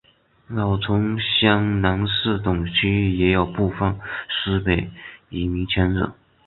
老城厢南市等区域也有部分苏北移民迁入。